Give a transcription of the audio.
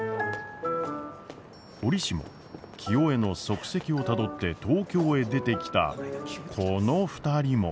折しも清恵の足跡をたどって東京へ出てきたこの２人も。